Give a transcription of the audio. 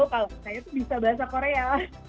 kalau saya tuh bisa bahasa korea